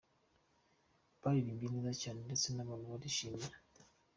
Baririmbye neza cyane ndetse n’abantu barabishimira.